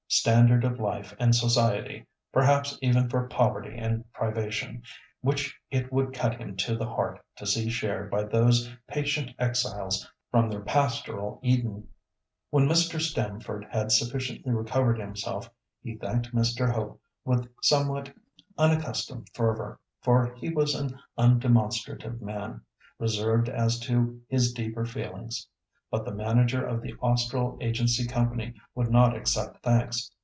—standard of life and society, perhaps even for poverty and privation, which it would cut him to the heart to see shared by those patient exiles from their pastoral Eden. When Mr. Stamford had sufficiently recovered himself he thanked Mr. Hope with somewhat unaccustomed fervour, for he was an undemonstrative man, reserved as to his deeper feelings. But the manager of the Austral Agency Company would not accept thanks.